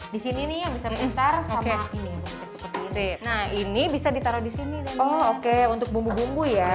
di sini nih yang bisa pintar sama ini seperti ini nah ini bisa ditaruh di sini deh oke untuk bumbu bumbu ya